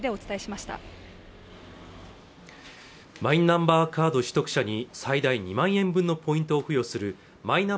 マイナンバーカード取得者に最大２万円分のポイントを付与するマイナ